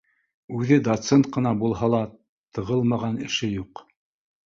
Үҙе доцент ҡына булһа ла, тығылмаған эше юҡ